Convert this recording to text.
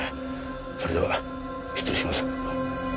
それでは失礼します。